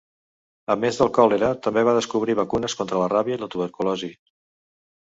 A més del còlera, també va descobrir vacunes contra la ràbia i la tuberculosi.